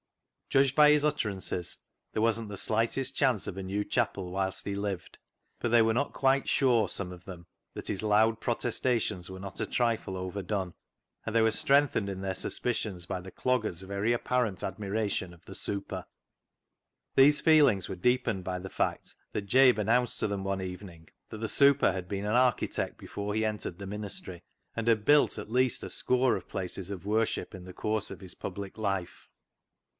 Judged by his utterances, there wasn't the slightest chance of a new chapel whilst he lived, but they were not quite sure, some of them, that his loud protestations were not a trifle overdone, and they were strengthened in their suspicions by the dogger's very apparent admiration of the " super." These feelings were deepened by the fact that Jabe announced to them, one evening, that the " super " had been an architect before he entered the ministry, and had built at least a score places of worship in the course of his public life.